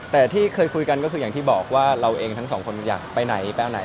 แต่ที่เคยคุยกันก็คืออย่างที่บอกว่าเราเองทั้งสองคนอยากไปไหนไปเอาไหน